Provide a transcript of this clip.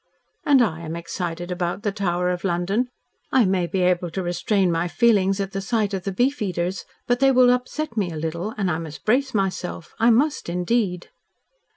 And I am excited about the Tower of London. I may be able to restrain my feelings at the sight of the Beef Eaters, but they will upset me a little, and I must brace myself, I must indeed."